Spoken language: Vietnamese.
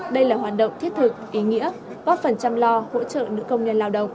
đây là hoạt động thiết thực ý nghĩa góp phần chăm lo hỗ trợ nữ công nhân lao động